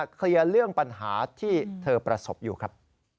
เคลียร์เรื่องปัญหาที่เธอประสบอยู่ครับ